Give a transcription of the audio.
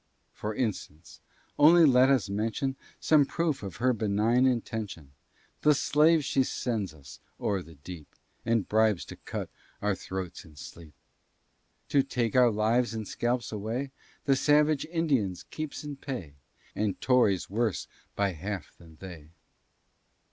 For instance, only let us mention Some proof of her benign intention; The slaves she sends us o'er the deep, And bribes to cut our throats in sleep. To take our lives and scalps away, The savage Indians keeps in pay, And Tories worse, by half, than they.